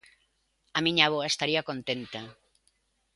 A miña avoa estaría contenta.